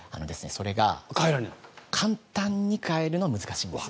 それが簡単に変えるのは難しいんです。